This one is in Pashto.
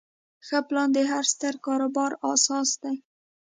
ښه پلان د هر ستر کاروبار اساس دی.